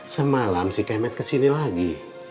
semalam si kemet kesini lagi